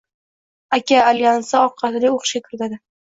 aka» alyansi orqali o‘qishga kiradi.